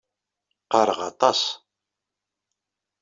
Qqaṛeɣ aṭas.